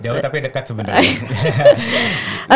jauh tapi dekat sebenarnya